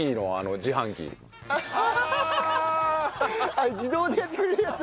あれ自動でやってくれるやつ？